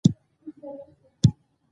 د پیسو ناسم مدیریت د کورنۍ دښمن دی.